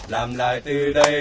làm lại từ đây